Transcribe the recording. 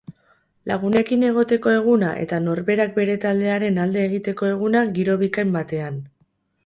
Lagunekin egoteko eguna eta norberak bere taldearen alde egiteko eguna giro bikain batean.